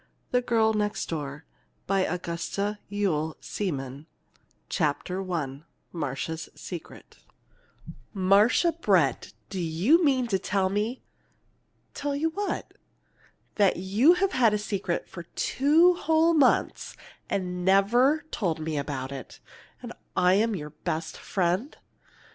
257 THE GIRL NEXT DOOR CHAPTER I MARCIA'S SECRET "Marcia Brett, do you mean to tell me " "Tell you what?" "That you've had a secret two whole months and never told me about it yet? And I'm your best friend!"